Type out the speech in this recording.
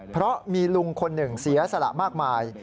เพราะมีลุงคนหนึ่งเสียสละมากมาย